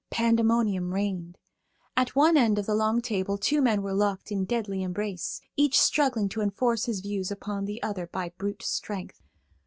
Pandemonium reigned. At one end of the long table two men were locked in deadly embrace, each struggling to enforce his views upon the other by brute strength.